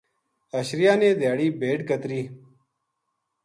حشریاں نے دھیاڑی بھیڈ کترَی